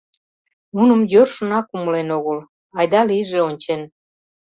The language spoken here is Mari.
...Нуным йӧршынак умылен огыл, айда-лийже ончен.